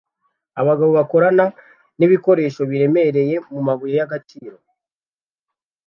Abagabo bakorana nibikoresho biremereye mumabuye y'agaciro